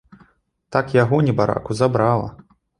Так яго, небараку, забрала.